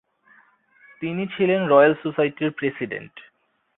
তিনি ছিলেন রয়েল সোসাইটির প্রেসিডেন্ট।